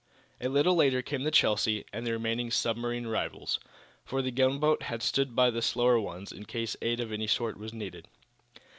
A little later came the "Chelsea" and the remaining submarine rivals, for the gunboat had stood by the slower ones in case aid of any sort was needed.